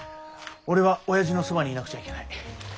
俺はおやじのそばにいなくちゃいけない。